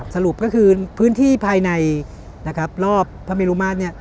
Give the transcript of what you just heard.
สรุปก็คือพื้นที่ภายในรอบพระเมรุมาตร